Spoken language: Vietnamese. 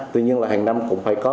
tuy nhiên là hàng năm cũng phải có